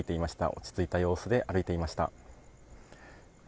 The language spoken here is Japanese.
落ち着いた様子で歩いていました。